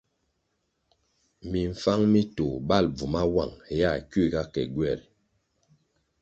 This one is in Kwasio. Mimfáng mi tôh bal bvu mawuang héa kuiga ke gyweri.